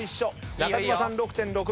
中島さん６．６秒。